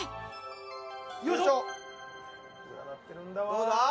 どうだ？